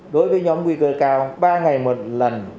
đối với nhóm nguy cơ cao ba ngày một lần